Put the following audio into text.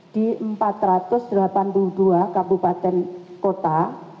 di empat ratus delapan puluh dua kabupaten kota